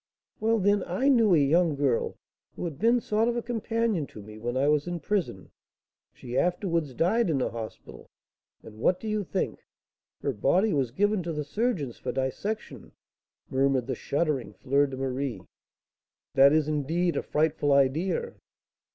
"Well, then, I knew a young girl, who had been a sort of companion to me when I was in prison; she afterwards died in a hospital, and what do you think? Her body was given to the surgeons for dissection!" murmured the shuddering Fleur de Marie. "That is, indeed, a frightful idea!